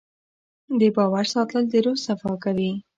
د باور ساتل د روح صفا کوي.